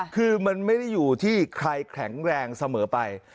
คือมันไม่ได้อยู่ที่ใครแข็งแรงเสมอไป